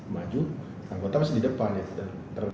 maju anggota pasti di depan